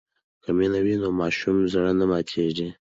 که مینه وي نو د ماسوم زړه نه ماتېږي.